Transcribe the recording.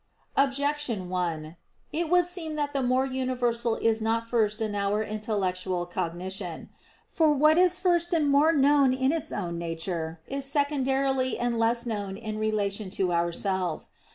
Objection 1: It would seem that the more universal is not first in our intellectual cognition. For what is first and more known in its own nature, is secondarily and less known in relation to ourselves.